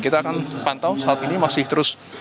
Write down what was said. kita akan pantau saat ini masih terus